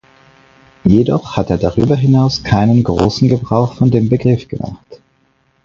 Jedoch hat er darüber hinaus keinen großen Gebrauch von dem Begriff gemacht.